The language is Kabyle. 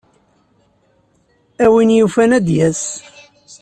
A win yufan ad d-yas.